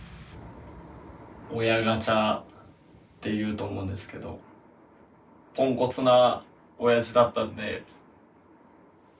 「親ガチャ」っていうと思うんですけどポンコツな親父だったんで。